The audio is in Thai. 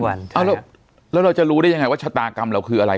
แล้วเราจะรู้ได้ยังไงว่าชะตากรรมเราคืออะไร